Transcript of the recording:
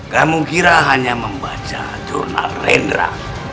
kamu kira hanya membaca jurnal rendra